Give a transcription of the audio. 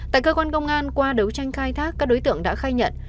tại cơ quan công an qua đấu tranh khai thác các đối tượng đã khai nhận